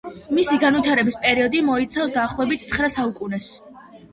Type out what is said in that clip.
მისი განვითარების პერიოდი მოიცავს დაახლოებით ცხრა საუკუნეს.